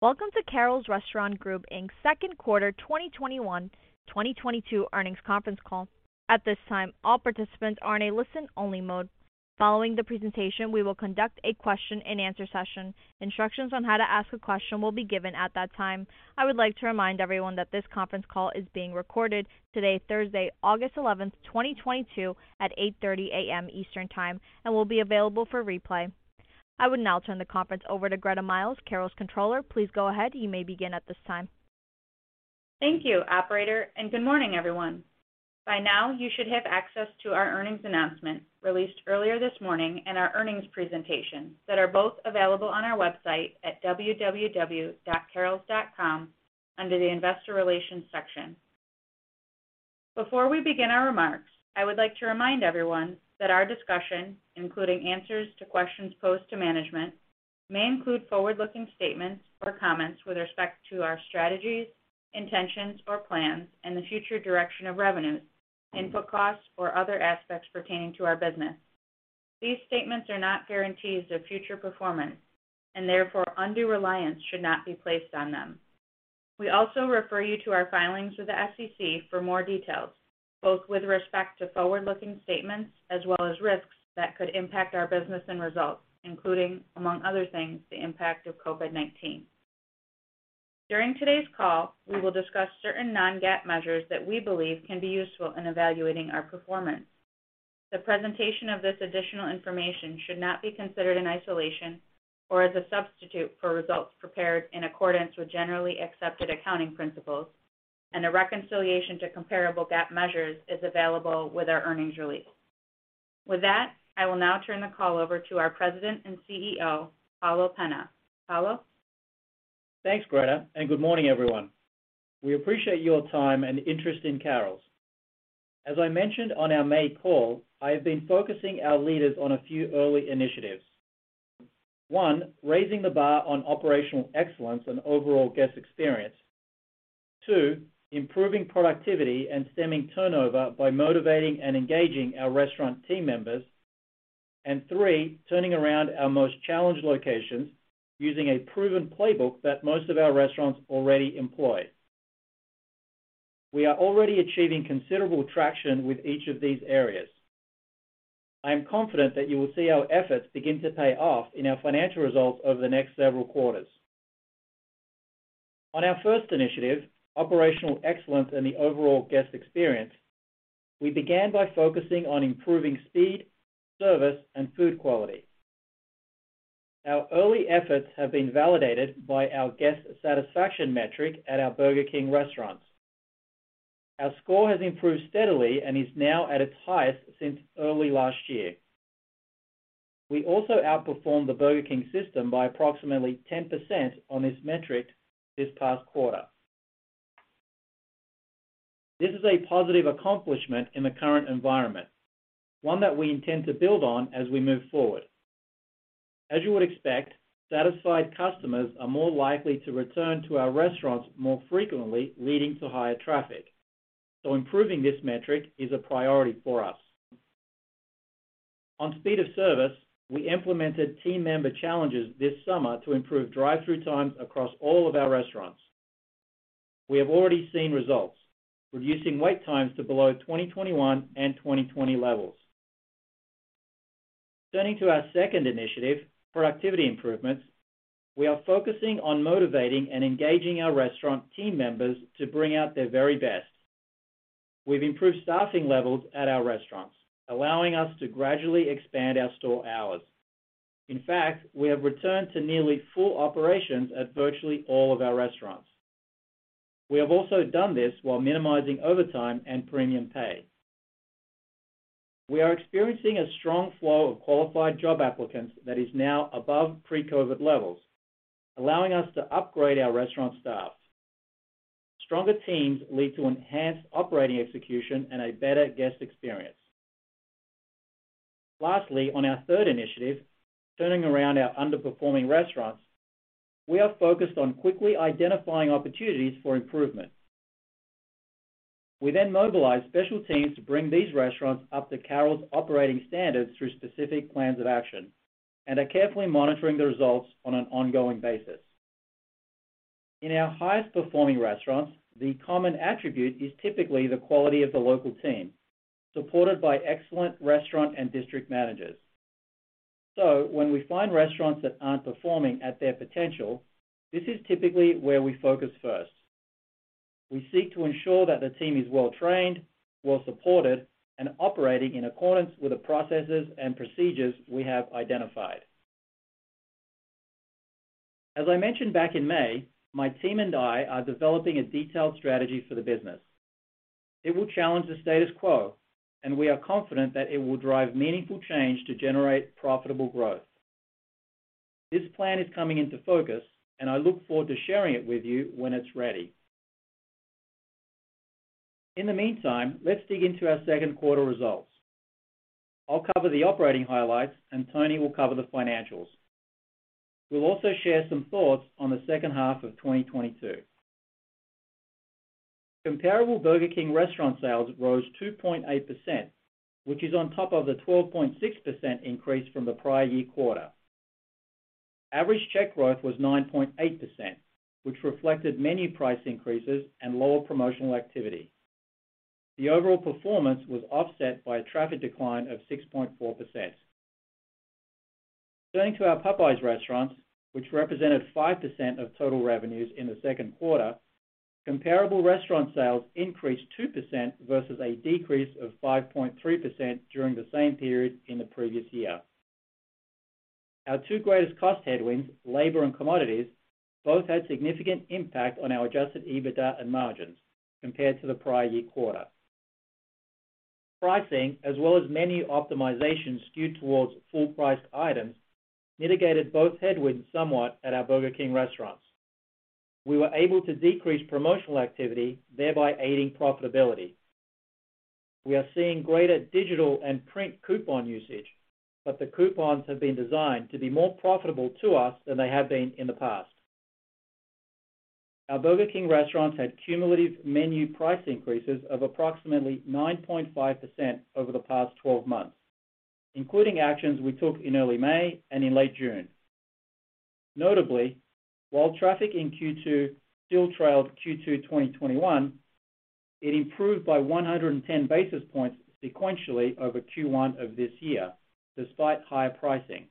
Welcome to Carrols Restaurant Group, Inc.'s Second Quarter 2022 Earnings Conference Call. At this time, all participants are in a listen-only mode. Following the presentation, we will conduct a question-and-answer session. Instructions on how to ask a question will be given at that time. I would like to remind everyone that this conference call is being recorded today, Thursday, August 11, 2022 at 8:30A.M. Eastern Time and will be available for replay. I would now turn the conference over to Gretta Miles, Carrols' controller. Please go ahead. You may begin at this time. Thank you, operator, and good morning, everyone. By now, you should have access to our earnings announcement released earlier this morning and our earnings presentation that are both available on our website at www.carrols.com under the Investor Relations section. Before we begin our remarks, I would like to remind everyone that our discussion, including answers to questions posed to management, may include forward-looking statements or comments with respect to our strategies, intentions, or plans and the future direction of revenues, input costs, or other aspects pertaining to our business. These statements are not guarantees of future performance, and therefore, undue reliance should not be placed on them. We also refer you to our filings with the SEC for more details, both with respect to forward-looking statements as well as risks that could impact our business and results, including, among other things, the impact of COVID-19. During today's call, we will discuss certain non-GAAP measures that we believe can be useful in evaluating our performance. The presentation of this additional information should not be considered in isolation or as a substitute for results prepared in accordance with generally accepted accounting principles, and a reconciliation to comparable GAAP measures is available with our earnings release. With that, I will now turn the call over to our President and CEO, Paulo Pena. Paulo. Thanks, Gretta, and good morning, everyone. We appreciate your time and interest in Carrols. As I mentioned on our May call, I have been focusing our leaders on a few early initiatives. One, raising the bar on operational excellence and overall guest experience. Two, improving productivity and stemming turnover by motivating and engaging our restaurant team members. Three, turning around our most challenged locations using a proven playbook that most of our restaurants already employ. We are already achieving considerable traction with each of these areas. I am confident that you will see our efforts begin to pay off in our financial results over the next several quarters. On our first initiative, operational excellence and the overall guest experience, we began by focusing on improving speed, service, and food quality. Our early efforts have been validated by our guest satisfaction metric at our Burger King restaurants. Our score has improved steadily and is now at its highest since early last year. We also outperformed the Burger King system by approximately 10% on this metric this past quarter. This is a positive accomplishment in the current environment, one that we intend to build on as we move forward. As you would expect, satisfied customers are more likely to return to our restaurants more frequently, leading to higher traffic, so improving this metric is a priority for us. On speed of service, we implemented team member challenges this summer to improve drive-through times across all of our restaurants. We have already seen results, reducing wait times to below 2021 and 2020 levels. Turning to our second initiative, productivity improvements, we are focusing on motivating and engaging our restaurant team members to bring out their very best. We've improved staffing levels at our restaurants, allowing us to gradually expand our store hours. In fact, we have returned to nearly full operations at virtually all of our restaurants. We have also done this while minimizing overtime and premium pay. We are experiencing a strong flow of qualified job applicants that is now above pre-COVID levels, allowing us to upgrade our restaurant staff. Stronger teams lead to enhanced operating execution and a better guest experience. Lastly, on our third initiative, turning around our underperforming restaurants, we are focused on quickly identifying opportunities for improvement. We then mobilize special teams to bring these restaurants up to Carrols' operating standards through specific plans of action and are carefully monitoring the results on an ongoing basis. In our highest-performing restaurants, the common attribute is typically the quality of the local team, supported by excellent restaurant and district managers. When we find restaurants that aren't performing at their potential, this is typically where we focus first. We seek to ensure that the team is well trained, well supported, and operating in accordance with the processes and procedures we have identified. As I mentioned back in May, my team and I are developing a detailed strategy for the business. It will challenge the status quo, and we are confident that it will drive meaningful change to generate profitable growth. This plan is coming into focus, and I look forward to sharing it with you when it's ready. In the meantime, let's dig into our second quarter results. I'll cover the operating highlights, and Tony will cover the financials. We'll also share some thoughts on the second half of 2022. Comparable Burger King restaurant sales rose 2.8%, which is on top of the 12.6% increase from the prior year quarter. Average check growth was 9.8%, which reflected many price increases and lower promotional activity. The overall performance was offset by a traffic decline of 6.4%. Turning to our Popeyes restaurants, which represented 5% of total revenues in the second quarter, comparable restaurant sales increased 2% versus a decrease of 5.3% during the same period in the previous year. Our two greatest cost headwinds, labor and commodities, both had significant impact on our Adjusted EBITDA and margins compared to the prior year quarter. Pricing, as well as menu optimization skewed towards full-priced items, mitigated both headwinds somewhat at our Burger King restaurants. We were able to decrease promotional activity, thereby aiding profitability. We are seeing greater digital and print coupon usage, but the coupons have been designed to be more profitable to us than they have been in the past. Our Burger King restaurants had cumulative menu price increases of approximately 9.5% over the past 12 months, including actions we took in early May and in late June. Notably, while traffic in Q2 still trailed Q2 2021, it improved by 110 basis points sequentially over Q1 of this year, despite higher pricing.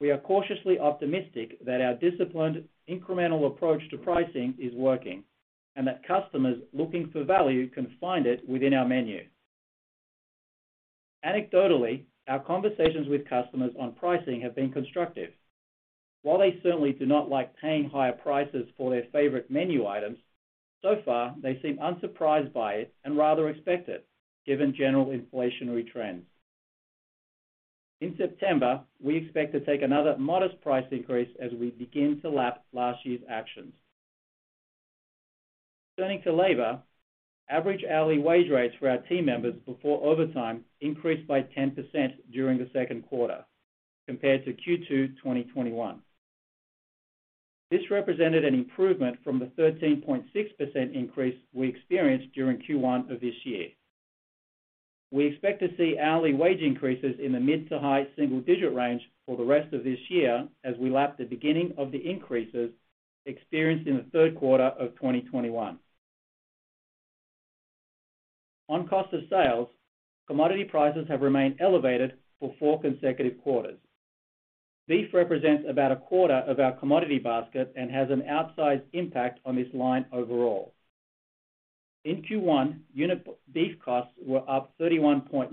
We are cautiously optimistic that our disciplined incremental approach to pricing is working, and that customers looking for value can find it within our menu. Anecdotally, our conversations with customers on pricing have been constructive. While they certainly do not like paying higher prices for their favorite menu items, so far, they seem unsurprised by it and rather expect it, given general inflationary trends. In September, we expect to take another modest price increase as we begin to lap last year's actions. Turning to labor, average hourly wage rates for our team members before overtime increased by 10% during the second quarter compared to Q2 2021. This represented an improvement from the 13.6% increase we experienced during Q1 of this year. We expect to see hourly wage increases in the mid to high single-digit range for the rest of this year as we lap the beginning of the increases experienced in the third quarter of 2021. On cost of sales, commodity prices have remained elevated for four consecutive quarters. Beef represents about a quarter of our commodity basket and has an outsized impact on this line overall. In Q1, unit beef costs were up 31.9%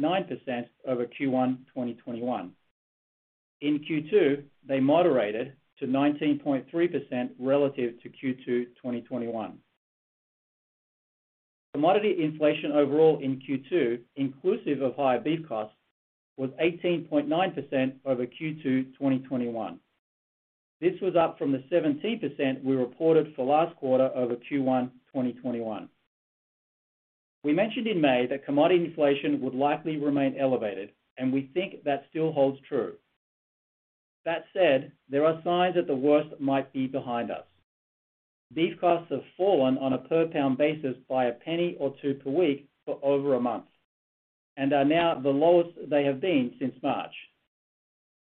over Q1 2021. In Q2, they moderated to 19.3% relative to Q2 2021. Commodity inflation overall in Q2, inclusive of higher beef costs, was 18.9% over Q2 2021. This was up from the 17% we reported for last quarter over Q1 2021. We mentioned in May that commodity inflation would likely remain elevated, and we think that still holds true. That said, there are signs that the worst might be behind us. Beef costs have fallen on a per pound basis by a penny or two per week for over a month, and are now the lowest they have been since March.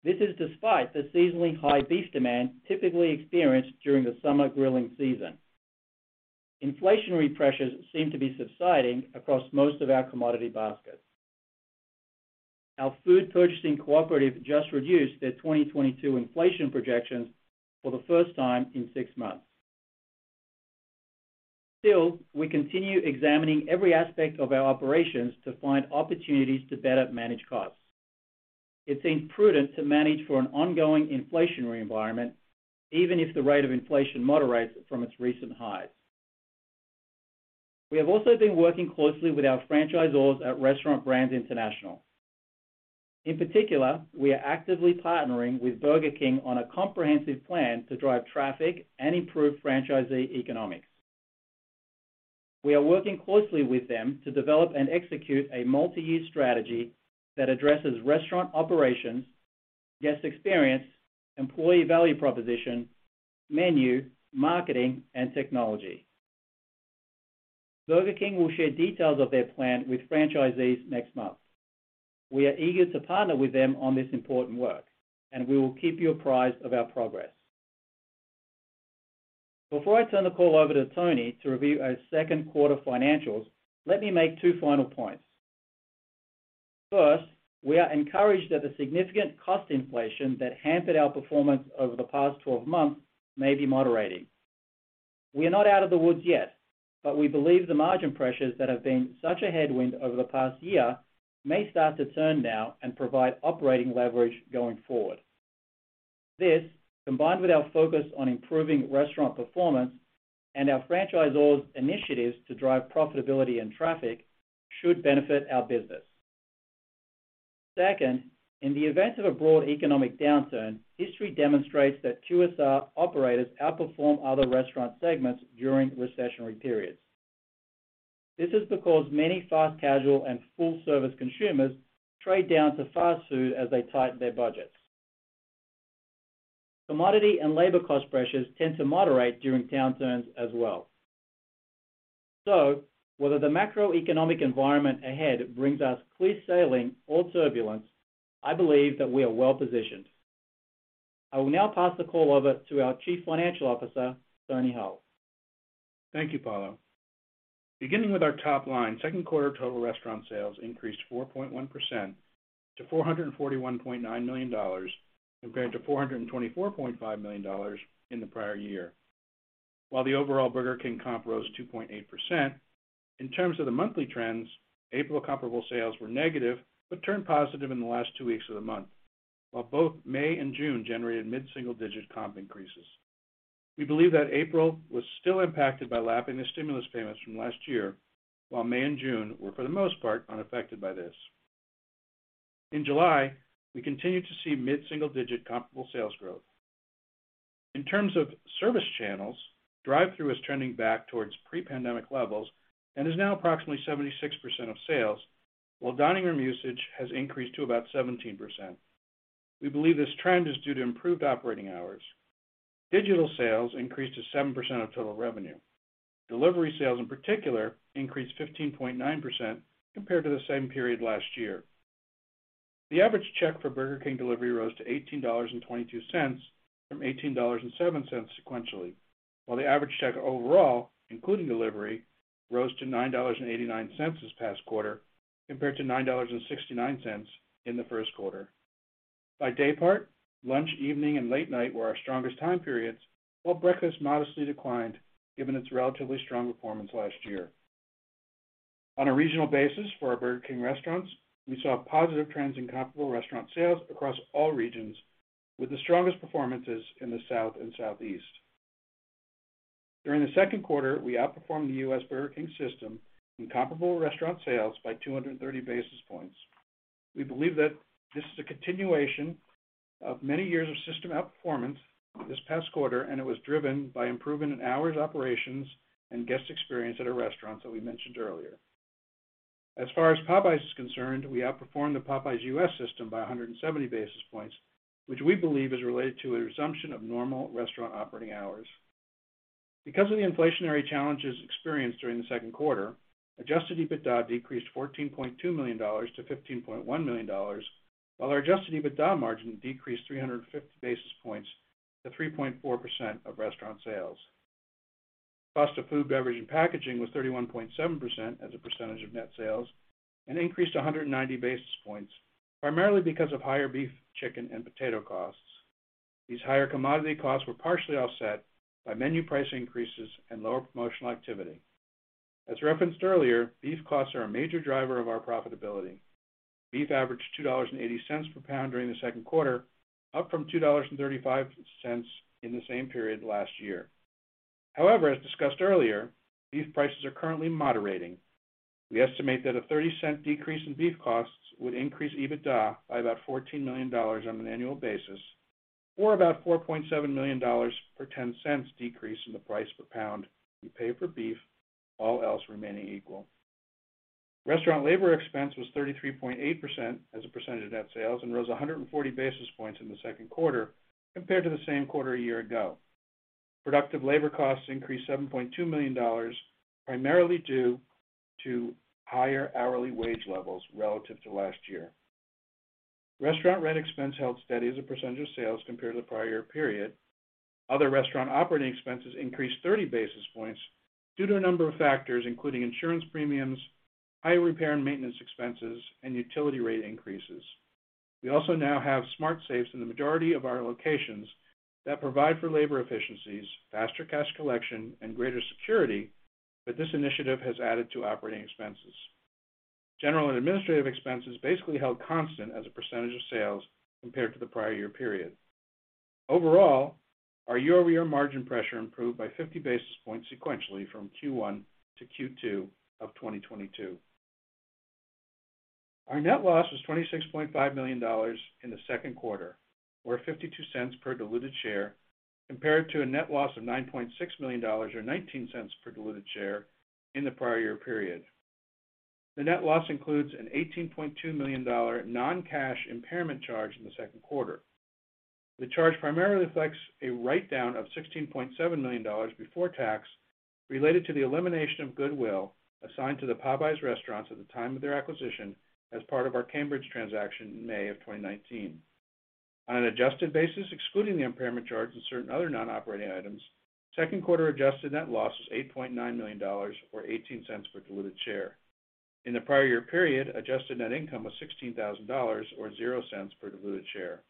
This is despite the seasonally high beef demand typically experienced during the summer grilling season. Inflationary pressures seem to be subsiding across most of our commodity baskets. Our food purchasing cooperative just reduced their 2022 inflation projections for the first time in six months. Still, we continue examining every aspect of our operations to find opportunities to better manage costs. It seems prudent to manage for an ongoing inflationary environment, even if the rate of inflation moderates from its recent highs. We have also been working closely with our franchisors at Restaurant Brands International. In particular, we are actively partnering with Burger King on a comprehensive plan to drive traffic and improve franchisee economics. We are working closely with them to develop and execute a multi-year strategy that addresses restaurant operations, guest experience, employee value proposition, menu, marketing, and technology. Burger King will share details of their plan with franchisees next month. We are eager to partner with them on this important work, and we will keep you apprised of our progress. Before I turn the call over to Tony to review our second quarter financials, let me make two final points. First, we are encouraged that the significant cost inflation that hampered our performance over the past twelve months may be moderating. We are not out of the woods yet, but we believe the margin pressures that have been such a headwind over the past year may start to turn now and provide operating leverage going forward. This, combined with our focus on improving restaurant performance and our franchisors' initiatives to drive profitability and traffic, should benefit our business. Second, in the event of a broad economic downturn, history demonstrates that QSR operators outperform other restaurant segments during recessionary periods. This is because many fast casual and full-service consumers trade down to fast food as they tighten their budgets. Commodity and labor cost pressures tend to moderate during downturns as well. Whether the macroeconomic environment ahead brings us clear sailing or turbulence, I believe that we are well positioned. I will now pass the call over to our Chief Financial Officer, Anthony Hull. Thank you, Paulo. Beginning with our top line, second quarter total restaurant sales increased 4.1% to $441.9 million compared to $424.5 million in the prior year. While the overall Burger King comp rose 2.8%, in terms of the monthly trends, April comparable sales were negative but turned positive in the last two weeks of the month. While both May and June generated mid-single digit comp increases. We believe that April was still impacted by lapping the stimulus payments from last year, while May and June were for the most part unaffected by this. In July, we continued to see mid-single digit comparable sales growth. In terms of service channels, drive-thru is trending back towards pre-pandemic levels and is now approximately 76% of sales, while dining room usage has increased to about 17%. We believe this trend is due to improved operating hours. Digital sales increased to 7% of total revenue. Delivery sales in particular increased 15.9% compared to the same period last year. The average check for Burger King delivery rose to $18.22 from $18.07 sequentially, while the average check overall, including delivery, rose to $9.89 this past quarter compared to $9.69 in the first quarter. By daypart, lunch, evening, and late night were our strongest time periods, while breakfast modestly declined given its relatively strong performance last year. On a regional basis for our Burger King restaurants, we saw positive trends in comparable restaurant sales across all regions, with the strongest performances in the South and Southeast. During the second quarter, we outperformed the U.S. Burger King system in comparable restaurant sales by 230 basis points. We believe that this is a continuation of many years of system outperformance this past quarter, and it was driven by improvement in hours, operations, and guest experience at our restaurants that we mentioned earlier. As far as Popeyes is concerned, we outperformed the Popeyes U.S. system by 170 basis points, which we believe is related to a resumption of normal restaurant operating hours. Because of the inflationary challenges experienced during the second quarter, Adjusted EBITDA decreased $14.2 million-$15.1 million, while our Adjusted EBITDA margin decreased 350 basis points to 3.4% of restaurant sales. Cost of food, beverage, and packaging was 31.7% as a percentage of net sales and increased 190 basis points, primarily because of higher beef, chicken, and potato costs. These higher commodity costs were partially offset by menu price increases and lower promotional activity. As referenced earlier, beef costs are a major driver of our profitability. Beef averaged $2.80 per pound during the second quarter, up from $2.35 in the same period last year. However, as discussed earlier, beef prices are currently moderating. We estimate that a 30 cent decrease in beef costs would increase EBITDA by about $14 million on an annual basis, or about $4.7 million per 10 cents decrease in the price per pound we pay for beef, all else remaining equal. Restaurant labor expense was 33.8% as a percentage of net sales and rose 140 basis points in the second quarter compared to the same quarter a year ago. Productive labor costs increased $7.2 million, primarily due to higher hourly wage levels relative to last year. Restaurant rent expense held steady as a percentage of sales compared to the prior year period. Other restaurant operating expenses increased 30 basis points due to a number of factors, including insurance premiums, higher repair and maintenance expenses, and utility rate increases. We also now have smart safes in the majority of our locations that provide for labor efficiencies, faster cash collection, and greater security, but this initiative has added to operating expenses. General and administrative expenses basically held constant as a percentage of sales compared to the prior year period. Overall, our year-over-year margin pressure improved by 50 basis points sequentially from Q1 to Q2 of 2022. Our net loss was $26.5 million in the second quarter, or $0.52 per diluted share, compared to a net loss of $9.6 million, or $0.19 per diluted share in the prior year period. The net loss includes an $18.2 million non-cash impairment charge in the second quarter. The charge primarily reflects a write-down of $16.7 million before tax related to the elimination of goodwill assigned to the Popeyes restaurants at the time of their acquisition as part of our Cambridge transaction in May of 2019. On an adjusted basis, excluding the impairment charge and certain other non-operating items, second quarter adjusted net loss was $8.9 million, or $0.18 per diluted share. In the prior year period, adjusted net income was $16,000, or $0.00 per diluted share.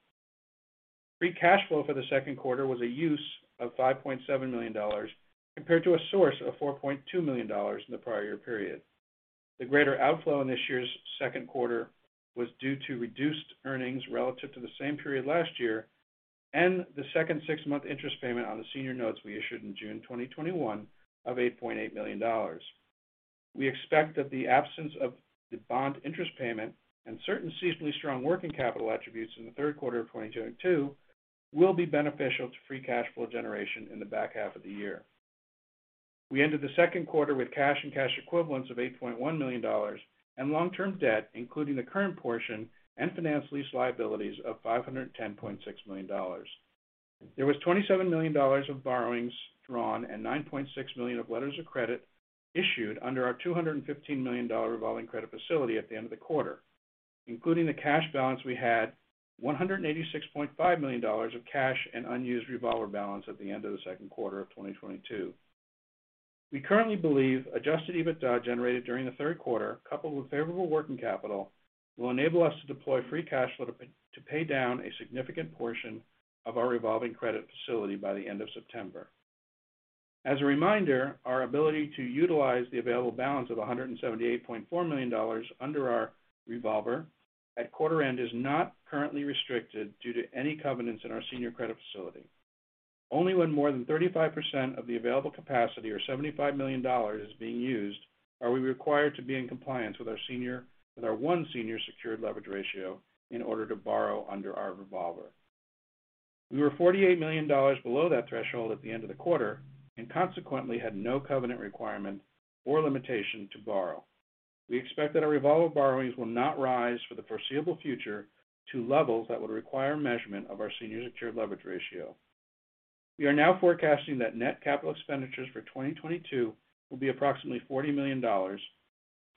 Free cash flow for the second quarter was a use of $5.7 million, compared to a source of $4.2 million in the prior year period. The greater outflow in this year's second quarter was due to reduced earnings relative to the same period last year and the second six-month interest payment on the senior notes we issued in June 2021 of $8.8 million. We expect that the absence of the bond interest payment and certain seasonally strong working capital attributes in the third quarter of 2022 will be beneficial to free cash flow generation in the back half of the year. We ended the second quarter with cash and cash equivalents of $8.1 million and long-term debt, including the current portion and finance lease liabilities of $510.6 million. There was $27 million of borrowings drawn and $9.6 million of letters of credit issued under our $215 million revolving credit facility at the end of the quarter. Including the cash balance, we had $186.5 million of cash and unused revolver balance at the end of the second quarter of 2022. We currently believe Adjusted EBITDA generated during the third quarter, coupled with favorable working capital, will enable us to deploy free cash flow to pay down a significant portion of our revolving credit facility by the end of September. As a reminder, our ability to utilize the available balance of $178.4 million under our revolver at quarter end is not currently restricted due to any covenants in our senior credit facility. Only when more than 35% of the available capacity or $75 million is being used are we required to be in compliance with our one senior secured leverage ratio in order to borrow under our revolver. We were $48 million below that threshold at the end of the quarter and consequently had no covenant requirement or limitation to borrow. We expect that our revolver borrowings will not rise for the foreseeable future to levels that would require measurement of our senior secured leverage ratio. We are now forecasting that net capital expenditures for 2022 will be approximately $40 million, a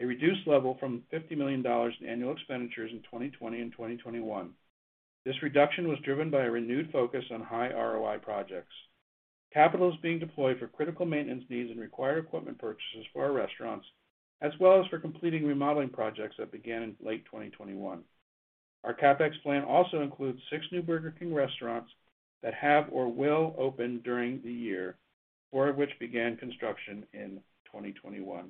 reduced level from $50 million in annual expenditures in 2020 and 2021. This reduction was driven by a renewed focus on high ROI projects. Capital is being deployed for critical maintenance needs and required equipment purchases for our restaurants, as well as for completing remodeling projects that began in late 2021. Our CapEx plan also includes six new Burger King restaurants that have or will open during the year, four of which began construction in 2021.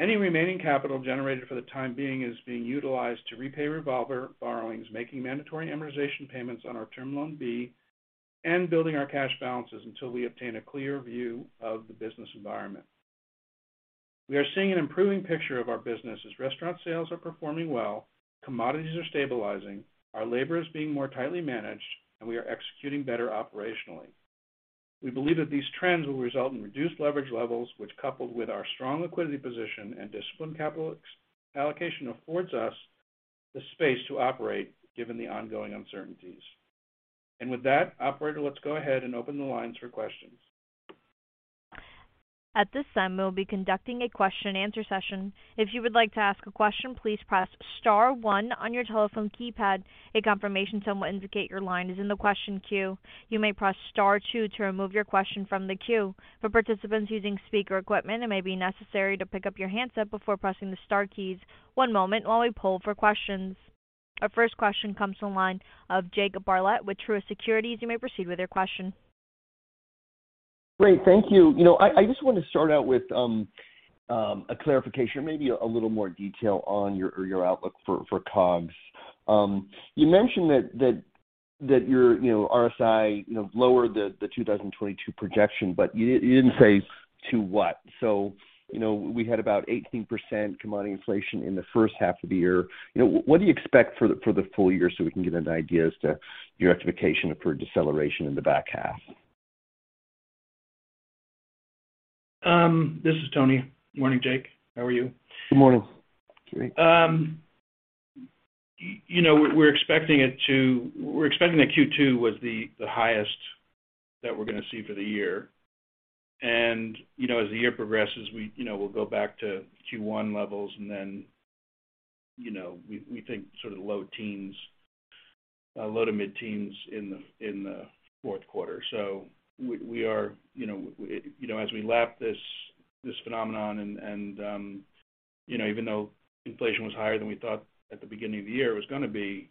Any remaining capital generated for the time being is being utilized to repay revolver borrowings, making mandatory amortization payments on our Term Loan B, and building our cash balances until we obtain a clear view of the business environment. We are seeing an improving picture of our business as restaurant sales are performing well, commodities are stabilizing, our labor is being more tightly managed, and we are executing better operationally. We believe that these trends will result in reduced leverage levels, which coupled with our strong liquidity position and disciplined capital allocation, affords us the space to operate given the ongoing uncertainties. With that, operator, let's go ahead and open the lines for questions. At this time, we will be conducting a question and answer session. If you would like to ask a question, please press star one on your telephone keypad. A confirmation tone will indicate your line is in the question queue. You may press star two to remove your question from the queue. For participants using speaker equipment, it may be necessary to pick up your handset before pressing the star keys. One moment while we poll for questions. Our first question comes from the line of Jake Bartlett with Truist Securities. You may proceed with your question. Great. Thank you. You know, I just want to start out with a clarification or maybe a little more detail on your outlook for COGS. You mentioned that your RBI lowered the 2022 projection, but you didn't say to what. You know, we had about 18% commodity inflation in the first half of the year. You know, what do you expect for the full year so we can get an idea as to your expectation for a deceleration in the back half? This is Tony. Morning, Jake. How are you? Good morning. We're expecting that Q2 was the highest that we're gonna see for the year. You know, as the year progresses, we'll go back to Q1 levels and then we think sort of low teens, low- to mid-teens in the fourth quarter. You know, as we lap this phenomenon and even though inflation was higher than we thought at the beginning of the year it was gonna be,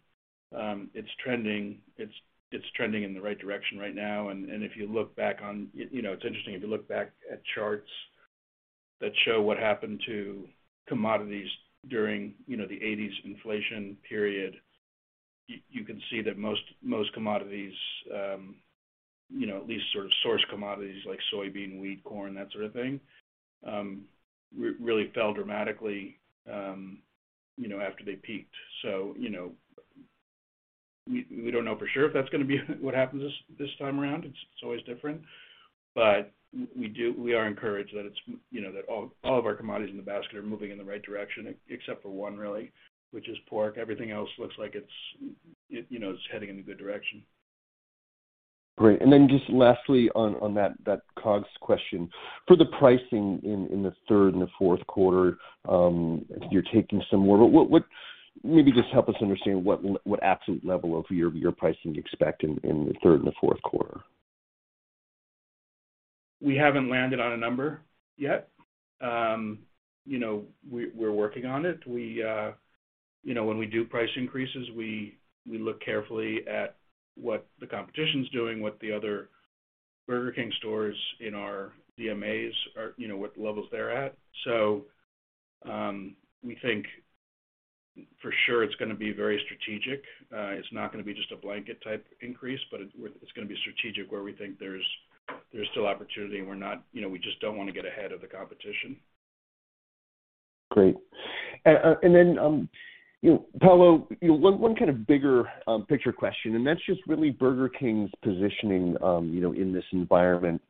it's trending in the right direction right now. If you look back on. You know, it's interesting if you look back at charts that show what happened to commodities during you know the eighties inflation period. You can see that most commodities you know at least sort of source commodities like soybean, wheat, corn, that sort of thing really fell dramatically you know after they peaked. You know, we don't know for sure if that's gonna be what happens this time around. It's always different. We are encouraged that it's you know that all of our commodities in the basket are moving in the right direction, except for one really, which is pork. Everything else looks like it's you know it's heading in a good direction. Great. Then just lastly on that COGS question. For the pricing in the third and the fourth quarter, maybe just help us understand what absolute level of your pricing you expect in the third and the fourth quarter? We haven't landed on a number yet. You know, we're working on it. You know, when we do price increases, we look carefully at what the competition's doing, what the other Burger King stores in our DMAs are, you know, what levels they're at. We think for sure it's gonna be very strategic. It's not gonna be just a blanket type increase, but it's gonna be strategic where we think there's still opportunity and we're not, you know, we just don't wanna get ahead of the competition. Great. You know, Paulo, you know, one kind of bigger picture question, and that's just really Burger King's positioning, you know, in this environment.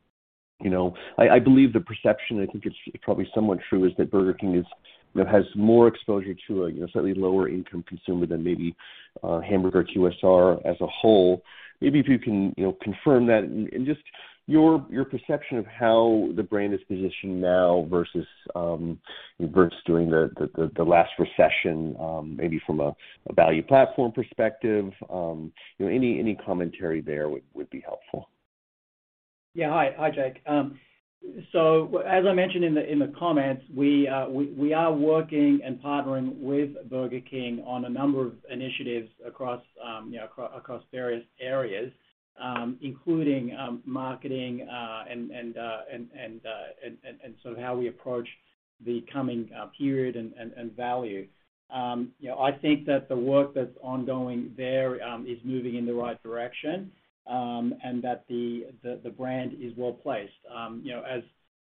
You know, I believe the perception, I think it's probably somewhat true, is that Burger King is, you know, has more exposure to a, you know, slightly lower income consumer than maybe, Hamburger QSR as a whole. Maybe if you can, you know, confirm that and just your perception of how the brand is positioned now versus during the last recession, maybe from a value platform perspective. You know, any commentary there would be helpful. Yeah. Hi. Hi, Jake. As I mentioned in the comments, we are working and partnering with Burger King on a number of initiatives across, you know, various areas, including marketing and sort of how we approach the coming period and value. You know, I think that the work that's ongoing there is moving in the right direction and that the brand is well-placed. You know,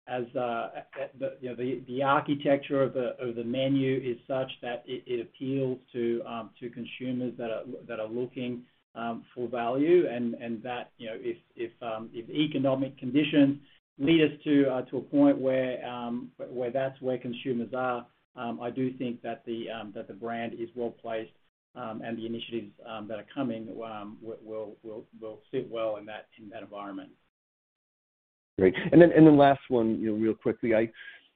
as the architecture of the menu is such that it appeals to consumers that are looking for value, and that you know, if economic conditions lead us to a point where that's where consumers are, I do think that the brand is well-placed, and the initiatives that are coming will sit well in that environment. Great. Then the last one, you know, real quickly.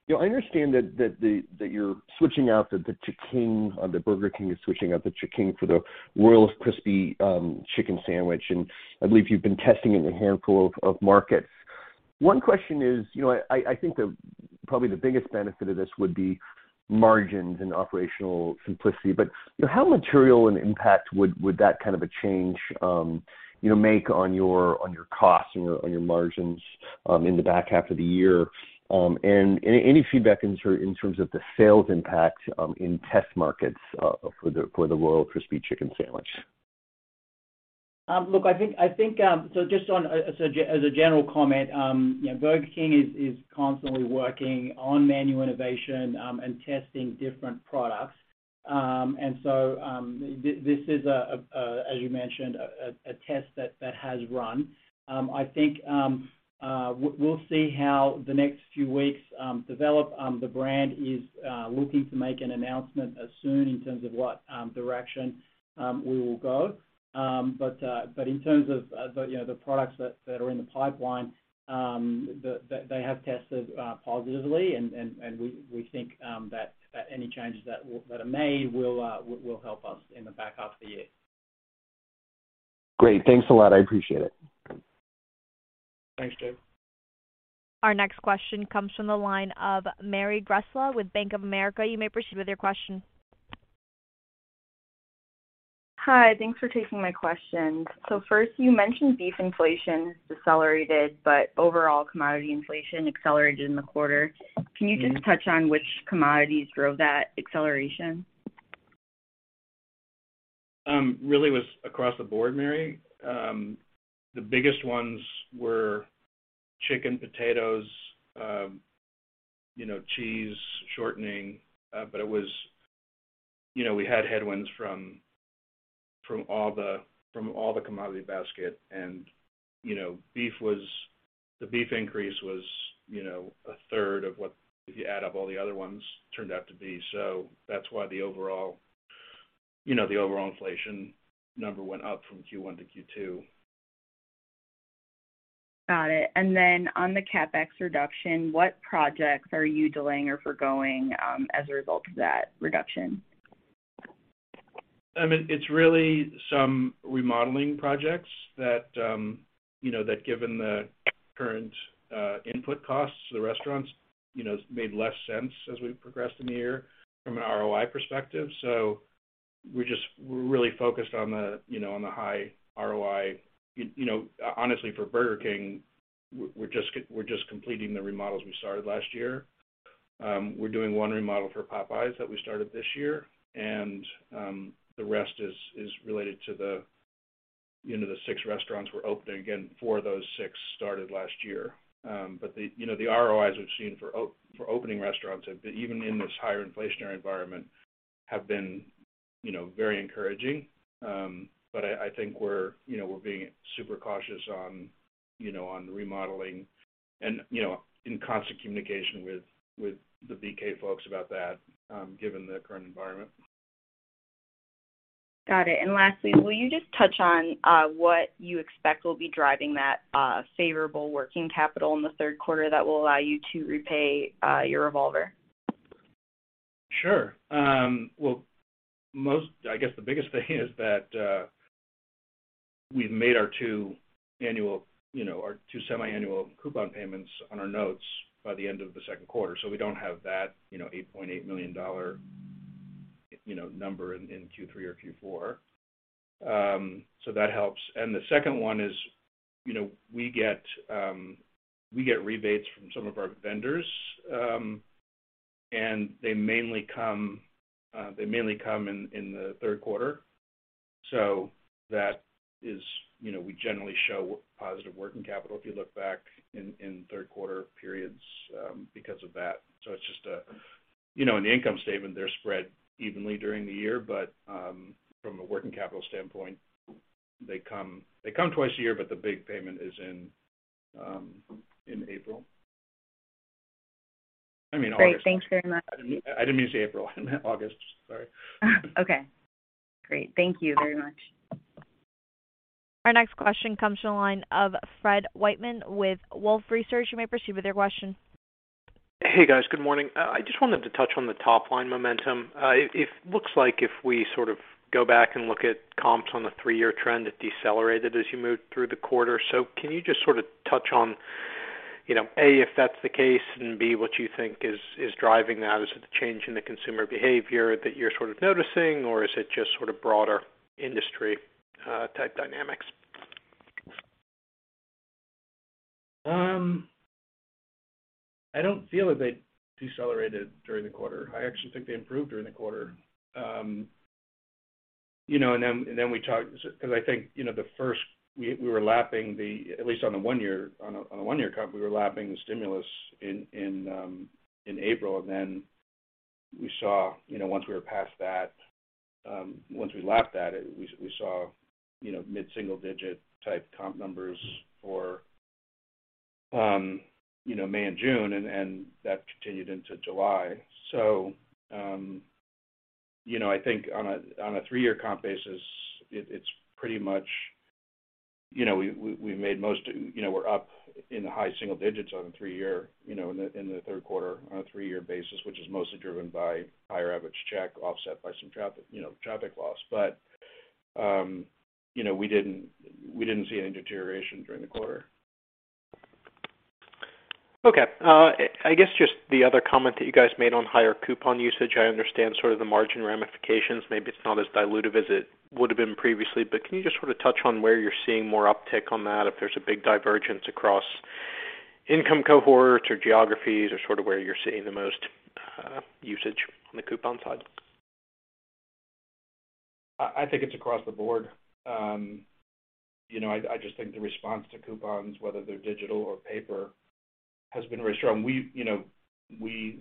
You know, I understand that you're switching out the Ch'King or that Burger King is switching out the Ch'King for the Royal Crispy Chicken Sandwich, and I believe you've been testing it in a handful of markets. One question is, you know, I think the probably the biggest benefit of this would be margins and operational simplicity. You know, how material an impact would that kind of a change, you know, make on your costs and your margins in the back half of the year? And any feedback in terms of the sales impact in test markets for the Royal Crispy Chicken Sandwich? Look, I think so just on a, as a general comment, you know, Burger King is constantly working on menu innovation and testing different products. This is, as you mentioned, a test that has run. I think we'll see how the next few weeks develop. The brand is looking to make an announcement soon in terms of what direction we will go. In terms of the, you know, the products that are in the pipeline, they have tested positively and we think that any changes that are made will help us in the back half of the year. Great. Thanks a lot. I appreciate it. Thanks, Jake. Our next question comes from the line of Sara Senatore with Bank of America. You may proceed with your question. Hi. Thanks for taking my questions. First, you mentioned beef inflation decelerated, but overall commodity inflation accelerated in the quarter. Can you just touch on which commodities drove that acceleration? Really was across the board, Sara Senatore. The biggest ones were chicken, potatoes, you know, cheese, shortening. It was. You know, we had headwinds from all the commodity basket. You know, beef was. The beef increase was, you know, a third of what, if you add up all the other ones, turned out to be. That's why the overall, you know, the overall inflation number went up from Q1-Q2. Got it. On the CapEx reduction, what projects are you delaying or forgoing, as a result of that reduction? I mean, it's really some remodeling projects that, you know, that given the current input costs to the restaurants, you know, made less sense as we progressed in the year from an ROI perspective. We're really focused on the, you know, on the high ROI. You know, honestly, for Burger King, we're just completing the remodels we started last year. We're doing one remodel for Popeyes that we started this year, and the rest is related to the, you know, the six restaurants we're opening. Again, four of those six started last year. But the, you know, the ROIs we've seen for opening restaurants, even in this higher inflationary environment, have been, you know, very encouraging. I think we're being super cautious on remodeling and in constant communication with the BK folks about that, given the current environment. Got it. Lastly, will you just touch on what you expect will be driving that favorable working capital in the third quarter that will allow you to repay your revolver? Sure. Well, I guess the biggest thing is that we've made our two annual, you know, our two semiannual coupon payments on our notes by the end of the second quarter. We don't have that, you know, $8.8 million, you know, number in Q3 or Q4. That helps. The second one is, you know, we get rebates from some of our vendors, and they mainly come in the third quarter. That is, you know, we generally show positive working capital if you look back in third quarter periods because of that. It's just a. You know, in the income statement, they're spread evenly during the year, but from a working capital standpoint, they come twice a year, but the big payment is in April. I mean August. Great. Thanks very much. I didn't mean to say April. I meant August. Sorry. Okay, great. Thank you very much. Our next question comes from the line of Fred Wightman with Wolfe Research. You may proceed with your question. Hey, guys. Good morning. I just wanted to touch on the top-line momentum. It looks like if we sort of go back and look at comps on the three-year trend, it decelerated as you moved through the quarter. Can you just sort of touch on, you know, A, if that's the case, and B, what you think is driving that? Is it a change in the consumer behavior that you're sort of noticing, or is it just sort of broader industry type dynamics? I don't feel that they decelerated during the quarter. I actually think they improved during the quarter. You know, we were lapping the stimulus in April, at least on the one-year comp. We saw, you know, once we were past that, once we lapped it, we saw, you know, mid-single-digit type comp numbers for May and June, and that continued into July. You know, I think on a three-year comp basis, it's pretty much. You know, we made most, you know, we're up in the high single digits% on the three-year, you know, in the third quarter on a three-year basis, which is mostly driven by higher average check offset by some traffic, you know, traffic loss. We didn't see any deterioration during the quarter. Okay. I guess just the other comment that you guys made on higher coupon usage, I understand sort of the margin ramifications. Maybe it's not as dilutive as it would've been previously. Can you just sort of touch on where you're seeing more uptick on that, if there's a big divergence across income cohorts or geographies or sort of where you're seeing the most, usage on the coupon side? I think it's across the board. You know, I just think the response to coupons, whether they're digital or paper, has been very strong. You know, we,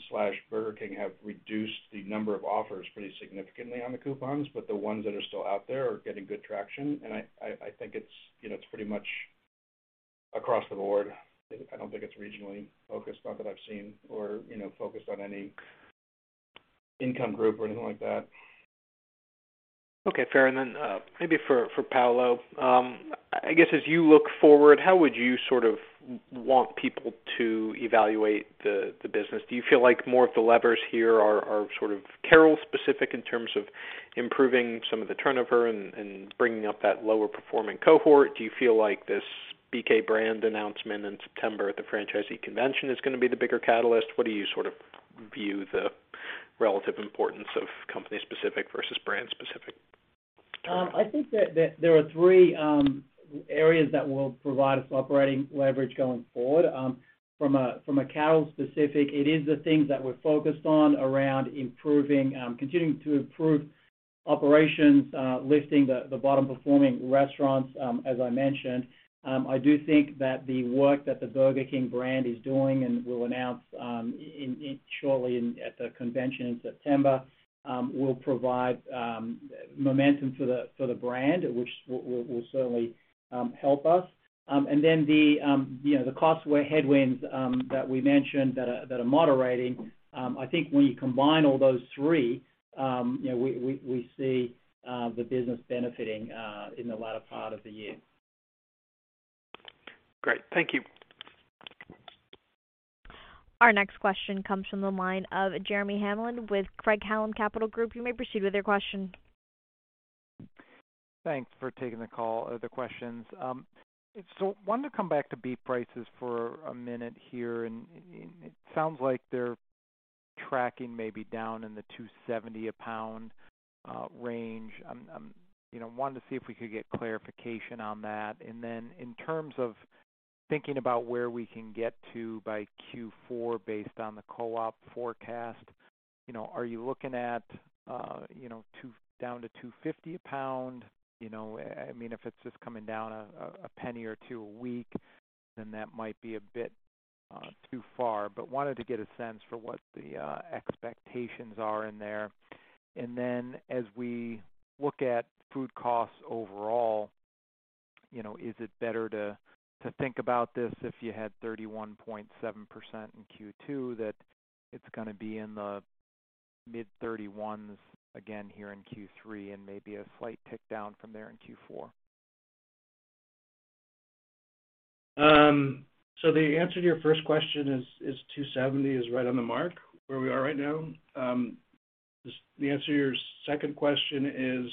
Burger King have reduced the number of offers pretty significantly on the coupons, but the ones that are still out there are getting good traction, and I think it's, you know, it's pretty much across the board. I don't think it's regionally focused, not that I've seen or, you know, focused on any income group or anything like that. Okay, fair. Then, maybe for Paulo. I guess as you look forward, how would you sort of want people to evaluate the business? Do you feel like more of the levers here are sort of Carrols specific in terms of improving some of the turnover and bringing up that lower performing cohort? Do you feel like this BK brand announcement in September at the franchisee convention is gonna be the bigger catalyst? What do you sort of view the relative importance of company specific versus brand specific? I think that there are three areas that will provide us operating leverage going forward. From a Carrols-specific, it is the things that we're focused on around improving, continuing to improve operations, lifting the bottom performing restaurants, as I mentioned. I do think that the work that the Burger King brand is doing and will announce shortly at the convention in September will provide momentum for the brand, which will certainly help us. Then the, you know, the cost and wage headwinds that we mentioned that are moderating, I think when you combine all those three, you know, we see the business benefiting in the latter part of the year. Great. Thank you. Our next question comes from the line of Jeremy Hamblin with Craig-Hallum Capital Group. You may proceed with your question. Thanks for taking the call, or the questions. Wanted to come back to beef prices for a minute here, and it sounds like they're tracking maybe down in the $2.70-a-pound range. I wanted to see if we could get clarification on that. Then in terms of thinking about where we can get to by Q4 based on the co-op forecast, you know, are you looking at down to $2.50 a pound? You know, I mean, if it's just coming down a penny or two a week, then that might be a bit too far. Wanted to get a sense for what the expectations are in there. As we look at food costs overall, you know, is it better to think about this if you had 31.7% in Q2, that it's gonna be in the mid-31s% again here in Q3 and maybe a slight tick down from there in Q4? The answer to your first question is $2.70 is right on the mark where we are right now. The answer to your second question is,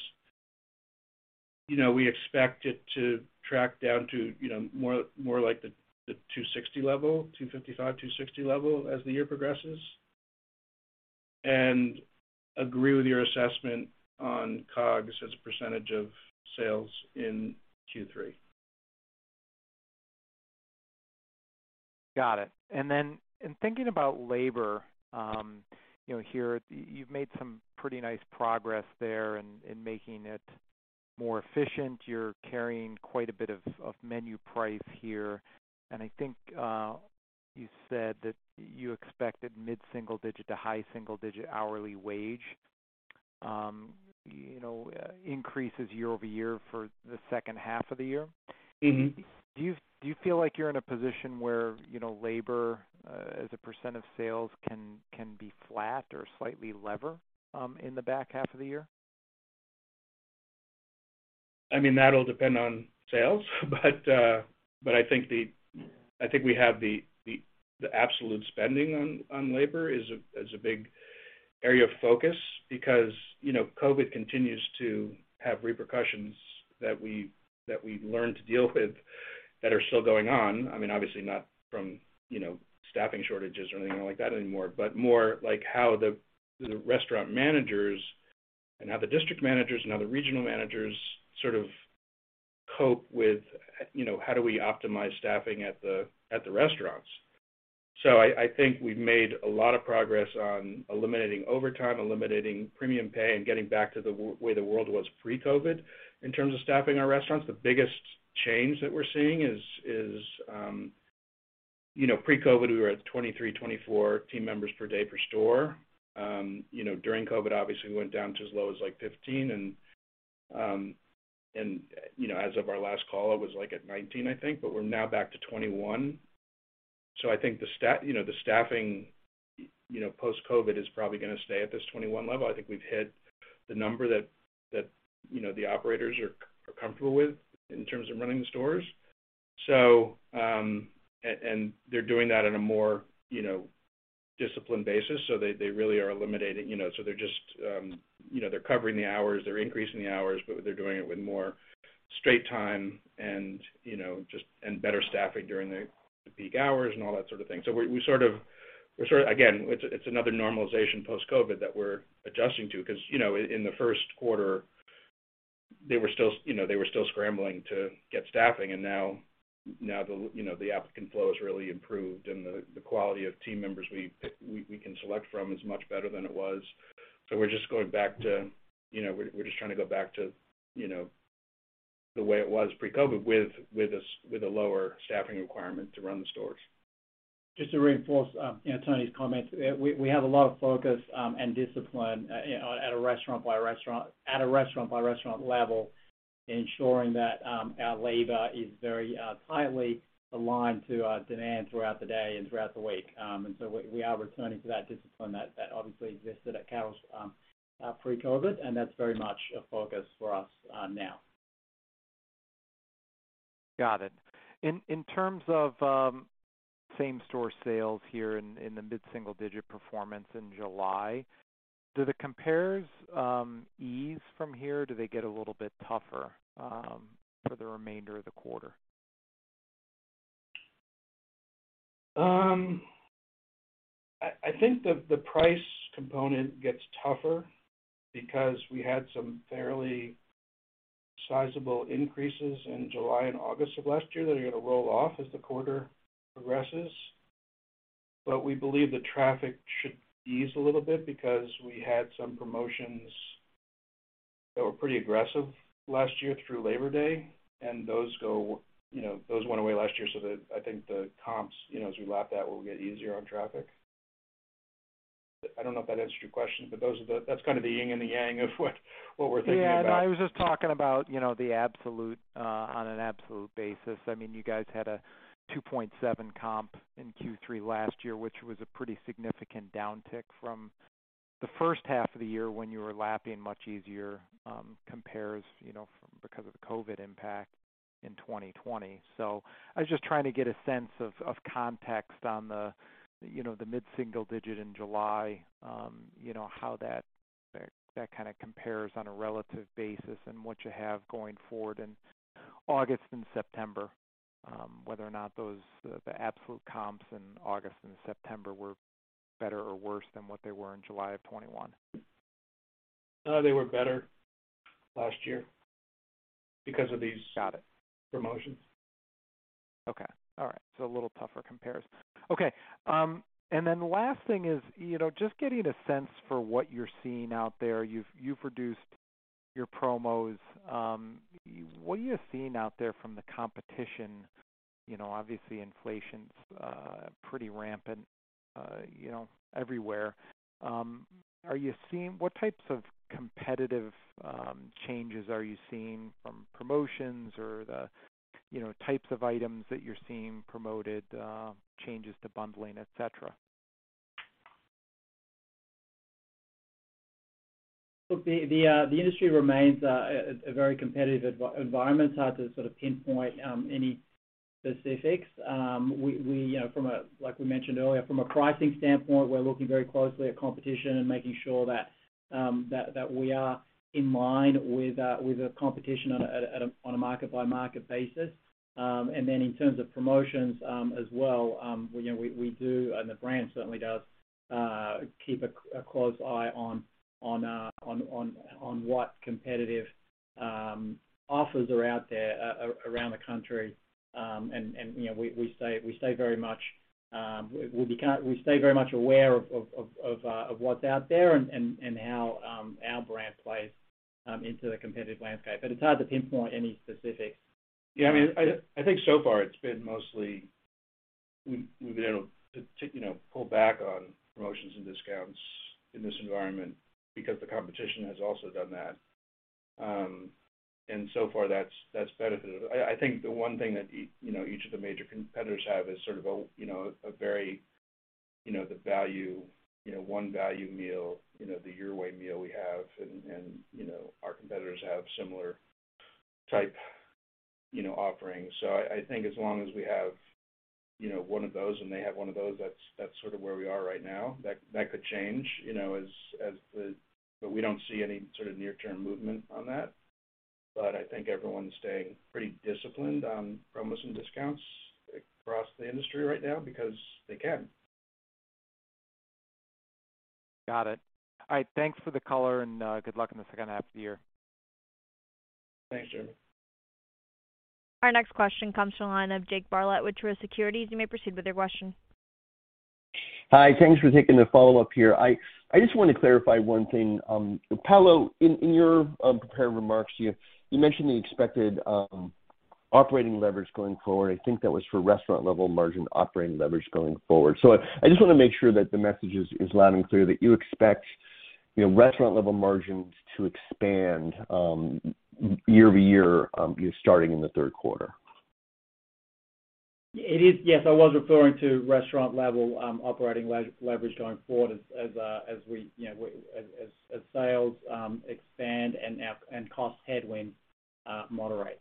you know, we expect it to track down to, you know, more like the $2.60 level, $2.55-$2.60 level as the year progresses, and agree with your assessment on COGS as a percentage of sales in Q3. Got it. In thinking about labor, you know, here you've made some pretty nice progress there in making it more efficient. You're carrying quite a bit of menu price here. I think you said that you expected mid-single-digit to high single-digit hourly wage, you know, increases year-over-year for the second half of the year. Do you feel like you're in a position where, you know, labor as a percent of sales can be flat or slightly levered in the back half of the year? I mean, that'll depend on sales, but I think the absolute spending on labor is a big area of focus because, you know, COVID continues to have repercussions that we've learned to deal with that are still going on. I mean, obviously not from, you know, staffing shortages or anything like that anymore. More like how the restaurant managers and how the district managers and how the regional managers sort of cope with, you know, how do we optimize staffing at the restaurants. So I think we've made a lot of progress on eliminating overtime, eliminating premium pay, and getting back to the way the world was pre-COVID in terms of staffing our restaurants. The biggest change that we're seeing is you know, pre-COVID, we were at 23-24 team members per day per store. You know, during COVID, obviously, we went down to as low as, like, 15. You know, as of our last call, it was, like, at 19, I think, but we're now back to 21. I think you know, the staffing, you know, post-COVID is probably gonna stay at this 21 level. I think we've hit the number that you know, the operators are comfortable with in terms of running the stores. They're doing that in a more you know, disciplined basis, so they really are eliminating you know. They're just, you know, covering the hours, increasing the hours, but doing it with more straight time and, you know, just, and better staffing during the peak hours and all that sort of thing. We're sort of. Again, it's another normalization post-COVID that we're adjusting to because, you know, in the first quarter, they were still, you know, scrambling to get staffing. Now, you know, the applicant flow has really improved and the quality of team members we can select from is much better than it was. We're just trying to go back to, you know, the way it was pre-COVID with a lower staffing requirement to run the stores. Just to reinforce, you know, Tony's comments. We have a lot of focus and discipline, you know, at a restaurant by restaurant level, ensuring that our labor is very tightly aligned to our demand throughout the day and throughout the week. We are returning to that discipline that obviously existed at Carrols pre-COVID, and that's very much a focus for us now. Got it. In terms of same-store sales here in the mid-single-digit performance in July, do the compares ease from here? Do they get a little bit tougher for the remainder of the quarter? I think the price component gets tougher because we had some fairly sizable increases in July and August of last year that are gonna roll off as the quarter progresses. We believe the traffic should ease a little bit because we had some promotions that were pretty aggressive last year through Labor Day, and you know, those went away last year. I think the comps, you know, as we lap that will get easier on traffic. I don't know if that answers your question, but those are the-- that's kind of the yin and yang of what we're thinking about. Yeah. No, I was just talking about, you know, the absolute, on an absolute basis. I mean, you guys had a 2.7 comp in Q3 last year, which was a pretty significant downtick from the first half of the year when you were lapping much easier comps, you know, because of the COVID impact in 2020. I was just trying to get a sense of context on the, you know, the mid-single digit in July, you know, how that kinda compares on a relative basis and what you have going forward in August and September, whether or not those, the absolute comps in August and September were better or worse than what they were in July of 2021. No, they were better last year because of these. Got it. Promotions. Okay. All right. A little tougher comparison. Okay. And then last thing is, you know, just getting a sense for what you're seeing out there. You've reduced your promos. What are you seeing out there from the competition? You know, obviously inflation's pretty rampant, you know, everywhere. Are you seeing what types of competitive changes are you seeing from promotions or the, you know, types of items that you're seeing promoted, changes to bundling, etc? Look, the industry remains a very competitive environment. It's hard to sort of pinpoint any specifics. You know, like we mentioned earlier, from a pricing standpoint, we're looking very closely at competition and making sure that we are in line with the competition on a market-by-market basis. Then in terms of promotions, you know, we do, and the brand certainly does, keep a close eye on what competitive offers are out there around the country. You know, we stay very much aware of what's out there and how our brand plays into the competitive landscape, but it's hard to pinpoint any specifics. Yeah, I mean, I think so far it's been mostly we've been able to, you know, pull back on promotions and discounts in this environment because the competition has also done that. So far that's benefited. I think the one thing that, you know, each of the major competitors have is sort of a, you know, a very, you know, the value, you know, one value meal, you know, the Your Way Meal we have and, you know, our competitors have similar type, you know, offerings. I think as long as we have, you know, one of those and they have one of those, that's sort of where we are right now. That could change, you know. But we don't see any sort of near-term movement on that. I think everyone's staying pretty disciplined on promos and discounts across the industry right now because they can. Got it. All right, thanks for the color and good luck in the second half of the year. Thanks, Jeremy. Our next question comes from the line of Jake Bartlett with Truist Securities. You may proceed with your question. Hi. Thanks for taking the follow-up here. I just want to clarify one thing. Paulo, in your prepared remarks, you mentioned the expected operating leverage going forward. I think that was for restaurant level margin operating leverage going forward. I just want to make sure that the message is loud and clear that you expect, you know, restaurant level margins to expand, year-over-year, you know, starting in the third quarter. It is. Yes, I was referring to restaurant level operating leverage going forward as we, you know, as sales expand and our cost headwinds moderate.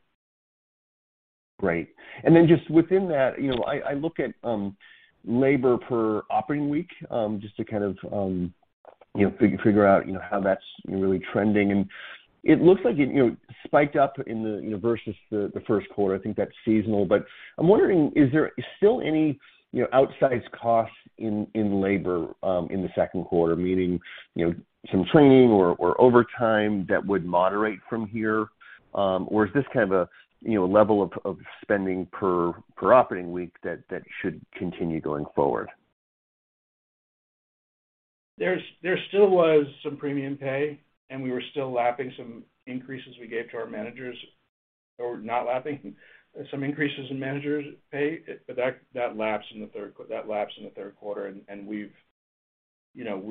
Great. Just within that, you know, I look at labor per operating week, just to kind of, you know, figure out, you know, how that's really trending. It looks like it, you know, spiked up in the, you know, versus the first quarter. I think that's seasonal. I'm wondering, is there still any, you know, outsized costs in labor, in the second quarter, meaning, you know, some training or overtime that would moderate from here? Or is this kind of a, you know, level of spending per operating week that should continue going forward? There still was some premium pay, and we were still lapping some increases we gave to our managers. Not lapping some increases in managers' pay, but that laps in the third quarter. We've, you know,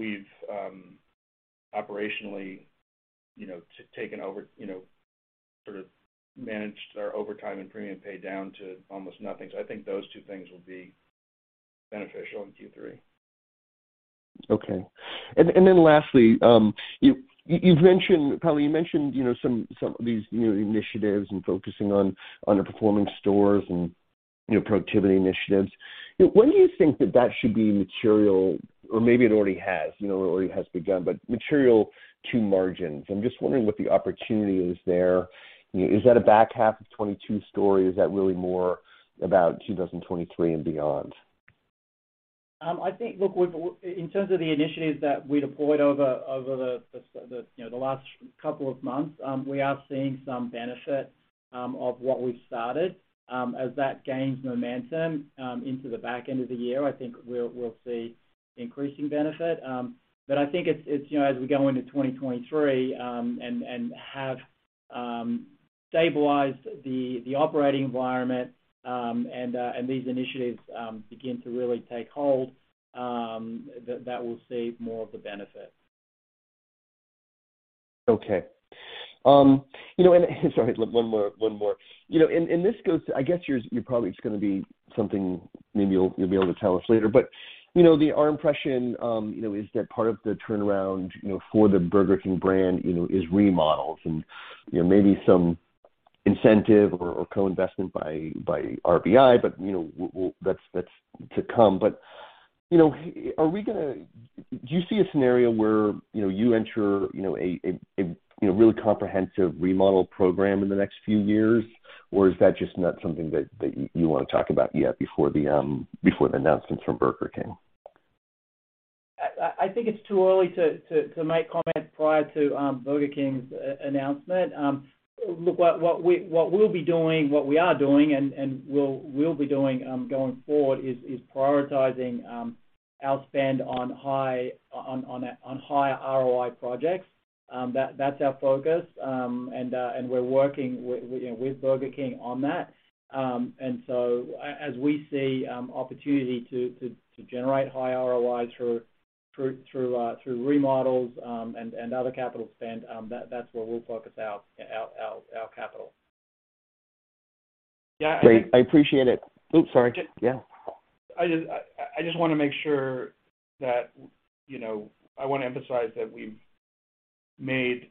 operationally, you know, taken over, you know, sort of managed our overtime and premium pay down to almost nothing. I think those two things will be beneficial in Q3. Okay. Then lastly, you've mentioned, Paulo, you mentioned, you know, some of these new initiatives and focusing on underperforming stores and, you know, productivity initiatives. You know, when do you think that should be material or maybe it already has begun, but material to margins? I'm just wondering what the opportunity is there. Is that a back half of 2022 story? Is that really more about 2023 and beyond? I think, look, in terms of the initiatives that we deployed over the last couple of months, you know, we are seeing some benefit of what we've started. As that gains momentum into the back end of the year, I think we'll see increasing benefit. I think it's, you know, as we go into 2023 and have stabilized the operating environment and these initiatives begin to really take hold, that will see more of the benefit. Okay. You know, sorry, one more. You know, this goes to—I guess you're probably just gonna be something maybe you'll be able to tell us later. Our impression, you know, is that part of the turnaround, you know, for the Burger King brand, you know, is remodels and, you know, maybe some incentive or co-investment by RBI, but, you know, that's to come. You know, do you see a scenario where, you know, you enter, you know, a really comprehensive remodel program in the next few years? Or is that just not something that you wanna talk about yet before the announcement from Burger King? I think it's too early to make comment prior to Burger King's announcement. Look, what we'll be doing, what we are doing and will be doing going forward is prioritizing our spend on higher ROI projects. That's our focus. We're working with you know, with Burger King on that. As we see opportunity to generate high ROI through remodels and other capital spend, that's where we'll focus our capital. Yeah. Great. I appreciate it. Oops, sorry. Yeah. I just wanna make sure that, you know, I wanna emphasize that we've made,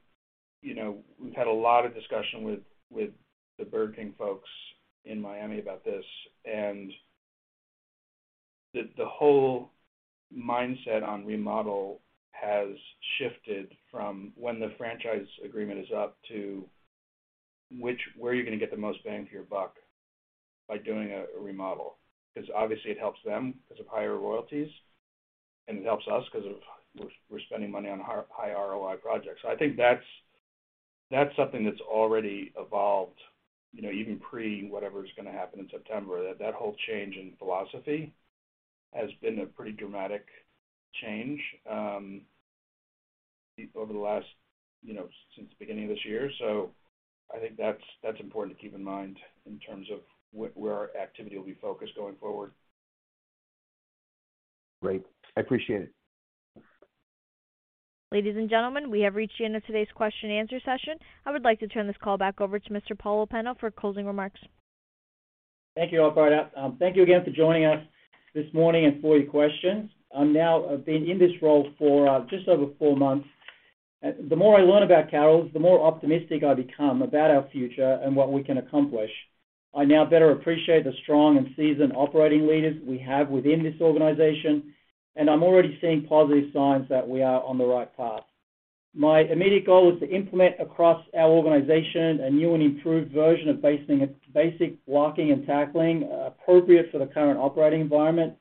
you know, we've had a lot of discussion with the Burger King folks in Miami about this and the whole mindset on remodel has shifted from when the franchise agreement is up to where are you gonna get the most bang for your buck by doing a remodel? 'Cause obviously it helps them 'cause of higher royalties, and it helps us 'cause of we're spending money on high ROI projects. I think that's something that's already evolved, you know, even pre whatever's gonna happen in September. That whole change in philosophy has been a pretty dramatic change over the last, you know, since the beginning of this year. I think that's important to keep in mind in terms of where our activity will be focused going forward. Great. I appreciate it. Ladies and gentlemen, we have reached the end of today's question and answer session. I would like to turn this call back over to Mr. Paulo Pena for closing remarks. Thank you, operator. Thank you again for joining us this morning and for your questions. I've been in this role for just over four months. The more I learn about Carrols, the more optimistic I become about our future and what we can accomplish. I now better appreciate the strong and seasoned operating leaders we have within this organization, and I'm already seeing positive signs that we are on the right path. My immediate goal is to implement across our organization a new and improved version of basic blocking and tackling appropriate for the current operating environment.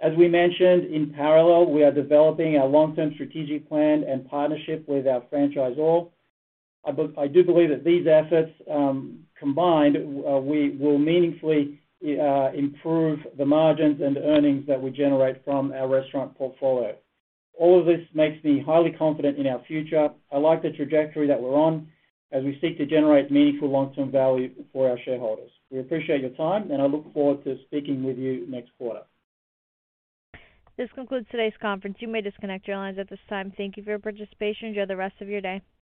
As we mentioned, in parallel, we are developing our long-term strategic plan and partnership with our franchisor. I do believe that these efforts, combined, we will meaningfully improve the margins and earnings that we generate from our restaurant portfolio. All of this makes me highly confident in our future. I like the trajectory that we're on as we seek to generate meaningful long-term value for our shareholders. We appreciate your time, and I look forward to speaking with you next quarter. This concludes today's conference. You may disconnect your lines at this time. Thank you for your participation. Enjoy the rest of your day.